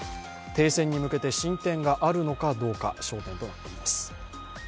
停戦に向けて進展があるのかどうか、焦点となっています。